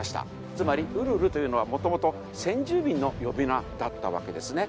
つまり「ウルル」というのは元々先住民の呼び名だったわけですね。